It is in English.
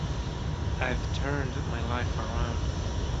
I've turned my life around.